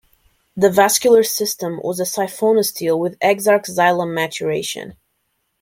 The vascular system was a siphonostele with exarch xylem maturation.